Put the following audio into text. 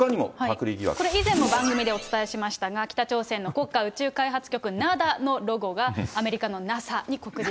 これ、以前にも番組でお伝えしましたが、北朝鮮の国家宇宙開発局・ＮＡＤＡのロゴが、アメリカのＮＡＳＡ